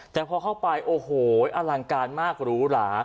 แต่พอเข้าไปโอ้โหอลังการมากหรูหรา